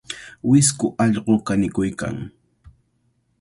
Wisku allqu kanikuykan.